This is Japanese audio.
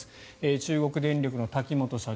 中国電力の瀧本社長